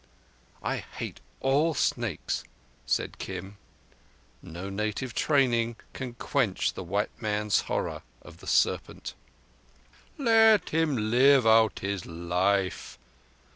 "I hate all snakes," said Kim. No native training can quench the white man's horror of the Serpent. "Let him live out his life."